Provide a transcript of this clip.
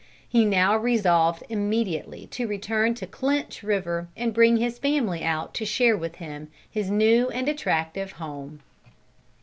He now resolved immediately to return to Clinch river, and bring his family out to share with him his new and attractive home.